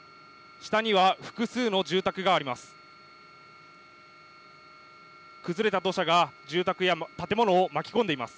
下には複数の住宅があります。